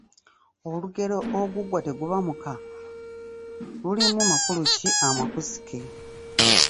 Olugero ‘Oguggwa teguba muka’ lulimu makulu ki amakusike?